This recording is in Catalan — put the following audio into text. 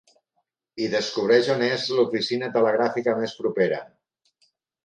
I descobreix on és l'oficina telegràfica més propera.